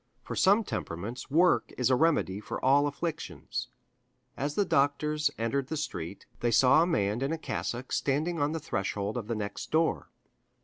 For some temperaments work is a remedy for all afflictions. As the doctors entered the street, they saw a man in a cassock standing on the threshold of the next door.